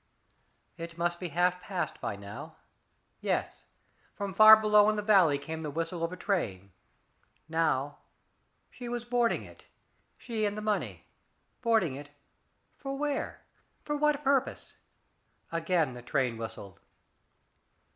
It must be half past by now. Yes from far below in the valley came the whistle of a train. Now she was boarding it. She and the money. Boarding it for where? For what purpose? Again the train whistled.